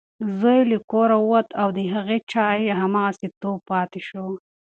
زوی یې له کوره ووت او د هغې چای هماغسې تود پاتې شو.